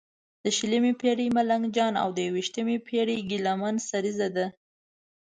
د شلمې پېړۍ ملنګ جان او د یوویشمې پېړې ګیله من سریزه ده.